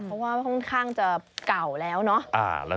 เพราะว่าค่อนข้างจะเก่าแล้วเนาะ